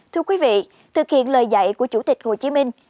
thưa quý vị thực hiện lời dạy của chủ tịch hồ chí minh